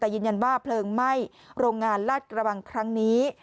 แต่ยืนยันว่าเพลิงไหม้โรงงานลาดกระบังครั้งนี้